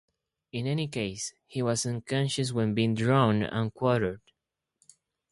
In any case, he was unconscious when being drawn and quartered.